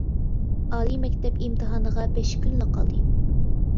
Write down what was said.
ئالىي مەكتەپ ئىمتىھانىغا بەش كۈنلا قالدى.